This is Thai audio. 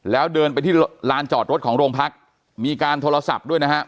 แล้วเดินไปที่ลานจอดรถของโรงพักมีการโทรศัพท์ด้วยนะฮะ